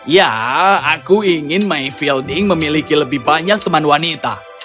ya aku ingin my fielding memiliki lebih banyak teman wanita